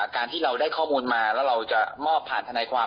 การที่เราได้ข้อมูลมาแล้วเราจะมอบผ่านทนายความ